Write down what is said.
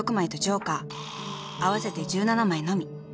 ［合わせて１７枚のみ］